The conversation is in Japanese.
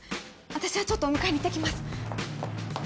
私はちょっとお迎えに行って来ます。